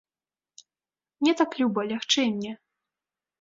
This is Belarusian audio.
Мне так люба, лягчэй мне.